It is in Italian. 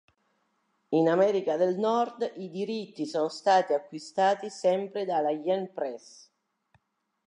In America del Nord i diritti sono stati acquistati sempre dalla Yen Press.